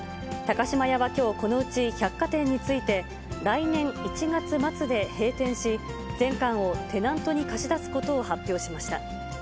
高島屋はきょうこのうち百貨店について、来年１月末で閉店し、全館をテナントに貸し出すことを発表しました。